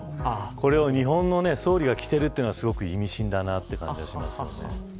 これを日本の総理が着ているというのはすごく意味深だなと感じがしますね。